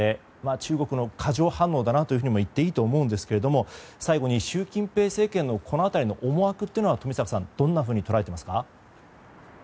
中国の過剰反応だなというふうにいっていいと思うんですけれども最後に習近平政権のこの辺りの思惑は、冨坂さんどんなふうに捉えていますか？